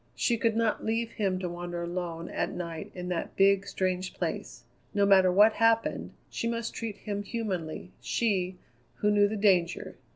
She could not leave him to wander alone at night in that big, strange place. No matter what happened, she must treat him humanly, she, who knew the danger.